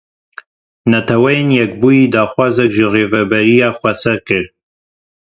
Netewên Yekbûyî daxwazek ji Rêveberiya Xweser kir.